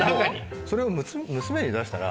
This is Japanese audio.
それを娘に出したら。